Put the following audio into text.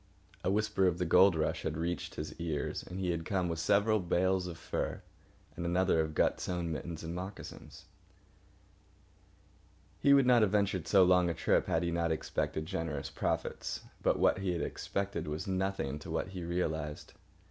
A whisper of the gold rush had reached his ears, and he had come with several bales of furs, and another of gut sewn mittens and moccasins. He would not have ventured so long a trip had he not expected generous profits. But what he had expected was nothing to what he realised.